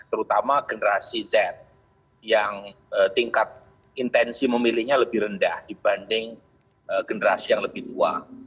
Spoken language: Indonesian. terutama generasi z yang tingkat intensi memilihnya lebih rendah dibanding generasi yang lebih tua